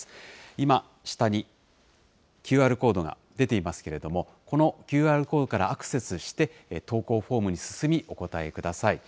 今、下にＱＲコードが出ていますけれども、このＱＲコードからアクセスして、投稿フォームに進み、お答えください。